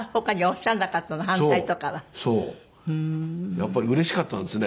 やっぱりうれしかったんですね。